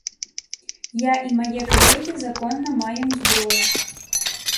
Я і мае калегі законна маем зброю.